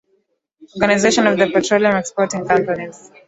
Organization of the Petroleum Exporting Countries